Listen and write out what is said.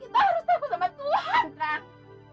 kenapa kita mesti takut sama mandor barnas sama si tatang sama si raup